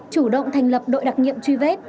chủ động thành lập đội đặc nhiệm truy vết